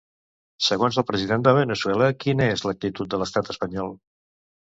Segons el president de Veneçuela, quina és l'actitud de l'estat espanyol?